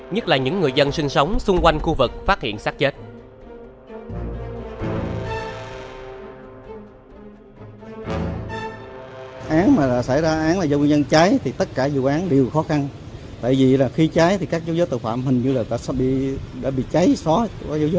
nhất là những người dân địa phương đều không có tính hiệu không vui với người dân địa phương